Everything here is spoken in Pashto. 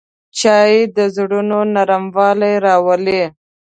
چای د زړونو نرموالی راولي